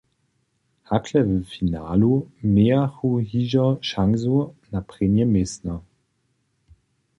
Hakle w finalu njemějachu hižo šansu na prěnje městno.